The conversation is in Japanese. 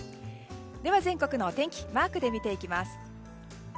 では、全国のお天気をマークで見ていきます。